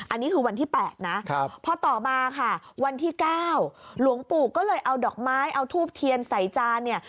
อันนี้คือวันที่๘นะพอต่อมาค่ะวันที่๙หลวงปู่ก็เลยเอาดอกไม้เอาทูบเทียนใส่จานเนี่ย